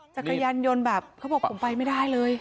จักรยานยนต์แบบเขาบอกผมไปไม่ได้เลย